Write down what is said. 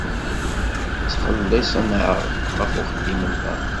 Ttxelliṣen-aɣ ɣef uxeddim-nneɣ.